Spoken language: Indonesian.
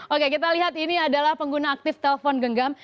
oke kita lihat ini adalah pengguna aktif telepon genggam